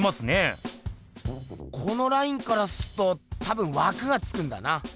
このラインからすっと多分わくがつくんだな。